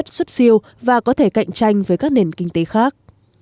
nó là ngành duy nhất xuất siêu và có thể cạnh tranh với các nền kinh tế khác